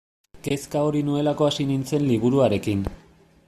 Kezka hori nuelako hasi nintzen liburuarekin.